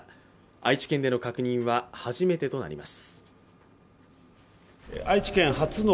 愛知県での確認は初めてとなります。